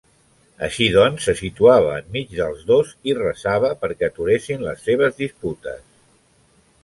Així doncs, se situava enmig dels dos i resava perquè aturessin les seves disputes.